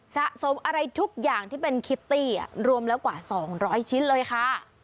สะสมอะไรทุกอย่างที่เป็นคิตตี้รวมแล้วกว่า๒๐๐ชิ้นเลยค่ะ